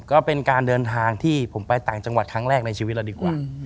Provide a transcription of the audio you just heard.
ก็เป็นการเดินทางที่ผมไปต่างจังหวัดครั้งแรกในชีวิตเราดีกว่า